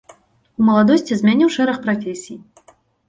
У маладосці змяніў шэраг прафесій.